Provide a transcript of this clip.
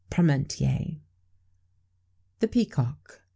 PARMENTIER. THE PEACOCK.